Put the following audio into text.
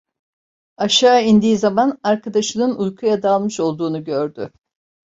Aşağı indiği zaman arkadaşının uykuya dalmış olduğunu gördü.